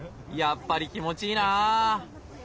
やっぱり気持ちいいな。